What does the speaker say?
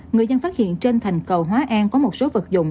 người dân phát hiện trên thành cầu hóa an có một số vật dụng